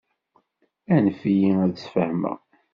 Anef-iyi ad d-sfehmeɣ.